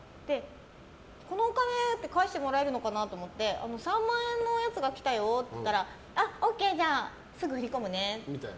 このお金って返してもらえるのかなって思って３万円のやつが来たよって言ったらあ、ＯＫじゃあ、すぐ振り込むねって。